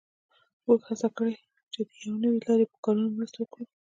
موږ هڅه کړې چې د یوې نوې لارې په کارونه مرسته وکړو